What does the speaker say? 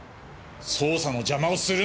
捜査の邪魔をするな！